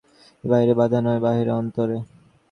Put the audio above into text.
বাইরে বাধা নয়, বাধা অন্তরে।